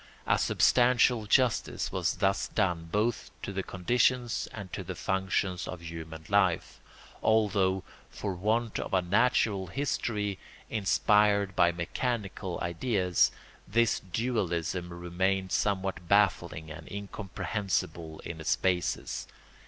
A substantial justice was thus done both to the conditions and to the functions of human life, although, for want of a natural history inspired by mechanical ideas, this dualism remained somewhat baffling and incomprehensible in its basis.